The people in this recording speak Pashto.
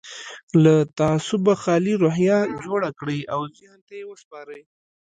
له تعصبه خالي روحيه جوړه کړئ او ذهن ته يې وسپارئ.